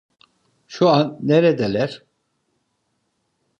Şu an neredeler?